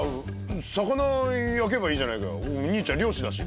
魚焼けばいいじゃないか兄ちゃん漁師だし。